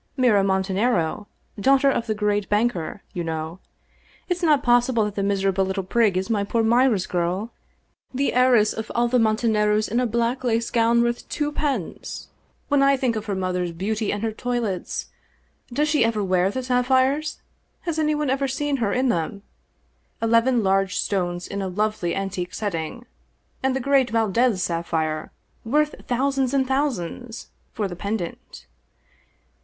Mira Montanaro, daughter of the great banker, you know. It's not possible that that miserable little prig is my poor Mira's girl. The heiress of all the Montanaros in a black 270 The Great Valdez Sapphire lace gown worth twopence 1 When I think of her mother's beauty and her toilets ! Does she ever wear the sapphires ? Has anyone ever seen her in them ? Eleven large stones in a lovely antique setting, and the great Valdez sapphire — ^worth thousands and thousands — for the pendant."